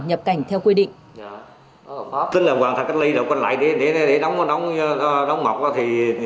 nhập cảnh theo quy định